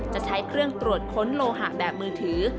จะใช้เครื่องตรวจค้นโลหะแบบมือถือ